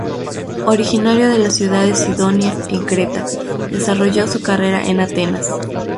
Originario de la ciudad de Cidonia, en Creta, desarrolló su carrera en Atenas.